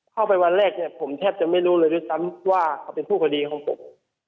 เข้าไปวันแรกเนี่ยผมแทบจะไม่รู้เลยด้วยซ้ำว่าเขาเป็นผู้คดีของผม